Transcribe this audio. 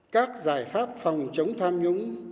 các giải pháp phòng chống tham nhũng